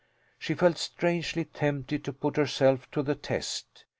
She felt strangely tempted to put herself to the test.